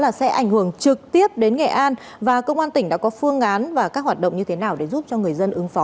và sẵn sàng thực hiện lệnh điều động tham gia cứu nạn vũ hộ tại các địa tàn trọng điểm ứng phó